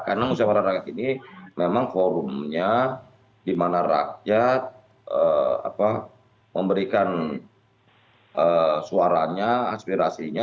karena musawarah rakyat ini memang forumnya di mana rakyat memberikan suaranya aspirasinya